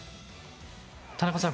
田中さん